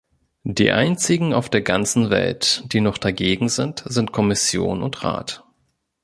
Die einzigen auf der ganzen Welt, die noch dagegen sind, sind Kommission und Rat.